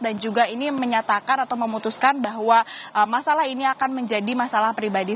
juga ini menyatakan atau memutuskan bahwa masalah ini akan menjadi masalah pribadi